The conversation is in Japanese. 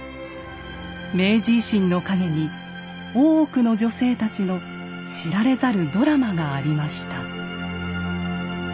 明治維新の陰に大奥の女性たちの知られざるドラマがありました。